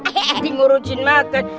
eh jangan ngurucin makan